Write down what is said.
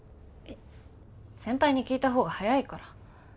先輩に聞いた方が早いから。